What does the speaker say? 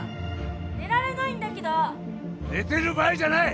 寝られないんだけど寝てる場合じゃない！